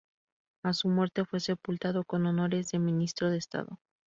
A su muerte fue sepultado con honores de Ministro de Estado.